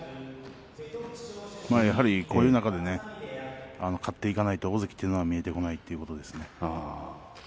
やはり、こういう中で勝っていかないと大関というのは見えてこないということです。